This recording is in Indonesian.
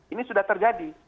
ini sudah terjadi